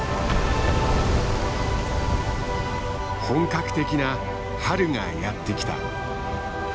本格的な春がやってきた。